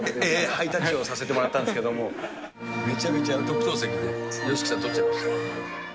ハイタッチをさせてもらったんですけれども、めちゃめちゃ特等席で、ＹＯＳＨＩＫＩさん撮っちゃいました。